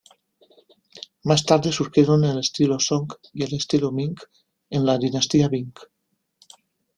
Más tarde surgieron el estilo Song y el estilo Ming en la Dinastía Ming.